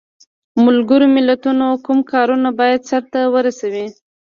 ملګرو ملتونو کوم کارونه باید سرته ورسوي؟